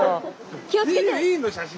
気をつけて！